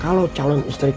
kalau calon istri kamu